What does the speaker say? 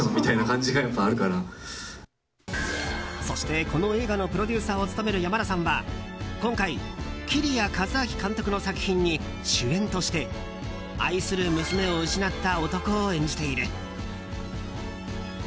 そして、この映画のプロデューサーを務める山田さんは今回、紀里谷和明監督の作品に主演として愛する娘を失った男を演じている。